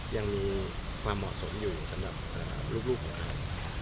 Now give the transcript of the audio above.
ยังมีความเหมาะสมอยู่สำหรับลูกของเรา